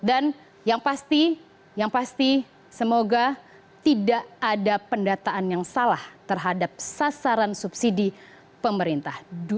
dan yang pasti semoga tidak ada pendataan yang salah terhadap sasaran subsidi pemerintah